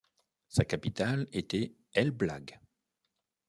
Sa capitale était Elbląg.